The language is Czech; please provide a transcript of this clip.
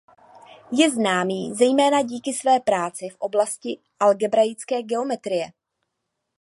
Je známý zejména díky své práci v oblasti algebraické geometrie.